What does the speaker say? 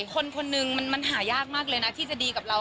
คนคนนึงมันหายากมากเลยนะที่จะดีกับเรา